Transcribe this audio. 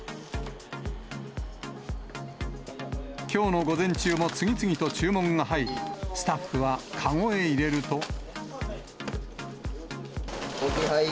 きょうの午前中も次々と注文が入り、スタッフは籠へ入れると。